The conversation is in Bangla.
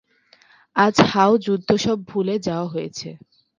আজ হাও যুদ্ধ সব ভুলে যাওয়া হয়েছে।